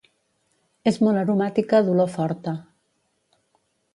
És molt aromàtica d'olor forta.